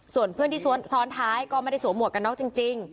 ส่วนเพื่อนที่ซ้อนท้ายก็ไม่ได้สวมหวกกันน็อกจริง